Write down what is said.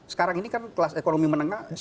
sekarang ini kan kelas ekonomi menengah